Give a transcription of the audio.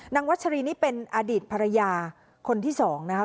นางวัดฉรีนี่เป็นอดีตภรรยาคนที่สองนะคะ